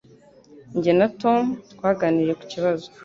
Jye na Tom twaganiriye ku kibazo.